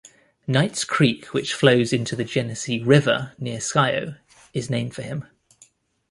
Knights Creek, which flows into the Genesee River near Scio, is named for him.